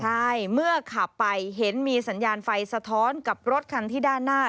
ใช่เมื่อขับไปเห็นมีสัญญาณไฟสะท้อนกับรถคันที่ด้านหน้า